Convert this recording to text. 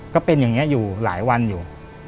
ก็เป็นอย่างนี้อยู่หลายวันอยู่